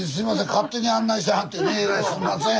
勝手に案内しはってねすんません。